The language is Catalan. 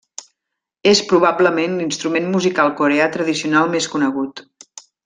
És probablement l'instrument musical coreà tradicional més conegut.